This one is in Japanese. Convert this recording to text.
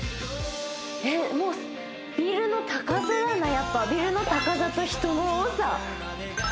もうビルの高さだなやっぱビルの高さと人の多さ